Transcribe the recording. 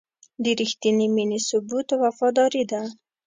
د رښتینې مینې ثبوت وفاداري ده.